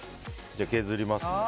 じゃあ削りますね。